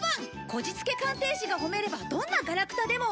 こじつけ鑑定士が褒めればどんなガラクタでも